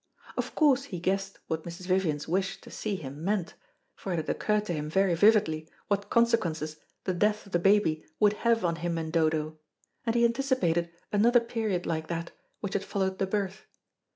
Of course he guessed what Mrs. Vivian's wish to see him meant, for it had occurred to him very vividly what consequences the death of the baby would have on him and Dodo: and he anticipated another period like that which had followed the birth.